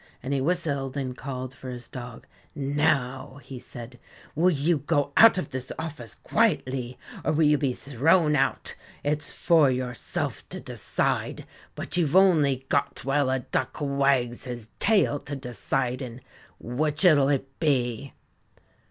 and he whistled and called for his dog. "Now," he said, "will you go out of this office quietly, or will you be thrown out? It's for yourself to decide, but you've only got while a duck wags his tail to decide in. Which'll it be?"